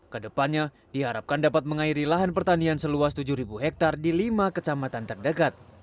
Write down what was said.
kedepannya diharapkan dapat mengairi lahan pertanian seluas tujuh hektare di lima kecamatan terdekat